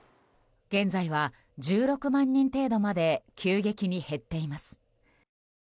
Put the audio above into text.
現在は、１６万人程度まで急激に減っています。